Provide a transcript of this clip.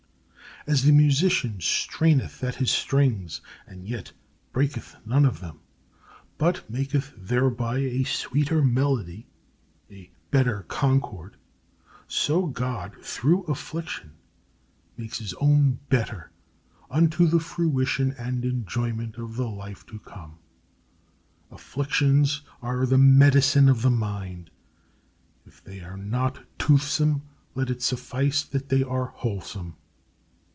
As the musician straineth at his strings, and yet breaketh none of them, but maketh thereby a sweeter melody and better concord, so God, through affliction, makes his own better unto the fruition and enjoyment of the life to come. Afflictions are the medicine of the mind. If they are not toothsome, let it suffice that they are wholesome.